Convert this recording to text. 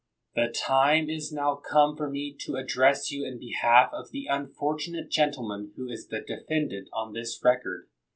The time is now come for me to address you in behalf of the unfortunate gentleman who is the defendant on this record.